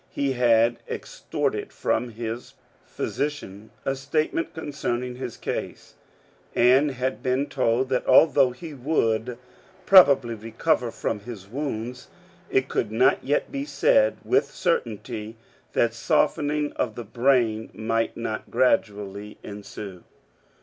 He had extorted from his physician a statement concerning his case, and been told that although he would probably recover from his wounds, it could not yet be said with certainty that softening of the brain might not gradually ensue.